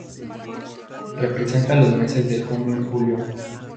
Representa los meses de junio y julio.